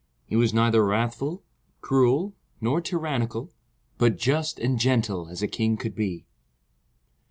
He was neither wrathful, cruel, nor tyrannical, but just and gentle as a king could be.